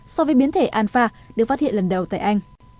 so với biến thể alfa được phát hiện lần đầu tại anh